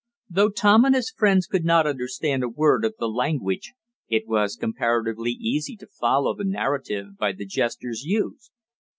Though Tom and his friends could not understand a word of the language, it was comparatively easy to follow the narrative by the gestures used.